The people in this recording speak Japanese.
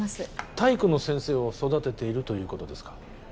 体育の先生を育てているということですか